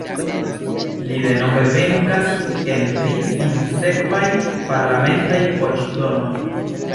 Li denove venkas en tri sinsekvaj parlamentaj voĉdonoj.